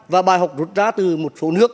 và bài học rút ra từ một số nước